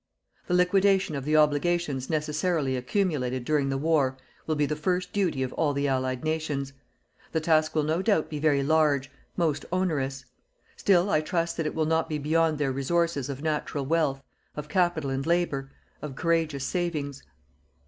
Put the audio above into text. The liquidation of the obligations necessarily accumulated during the war will be the first duty of all the Allied nations. The task will no doubt be very large, most onerous. Still I trust that it will not be beyond their resources of natural wealth, of capital and labour, of courageous savings.